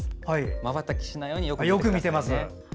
まばたきしないようによく見ていてください。